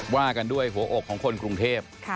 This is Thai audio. ว่ากันด้วยหัวอกของคนกรุงเทพ